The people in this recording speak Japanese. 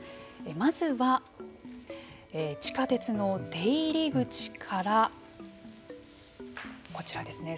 まずは地下鉄の出入り口からこちらですね。